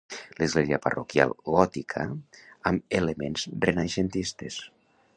Església parroquial gòtica amb elements renaixentistes.